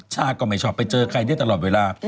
ชาติก็ไม่ชอบไปเจอใครเนี่ยตลอดเวลา